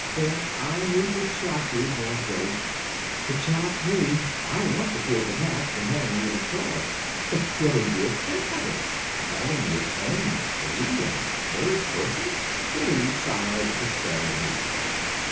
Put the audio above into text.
"There! I knew 'twould shock you," mourned Billy. "It shocks me. I want to feel detached and heavenly and absorbed." "But Billy, dear, think of it calling your own baby a third person!" Billy sighed despairingly.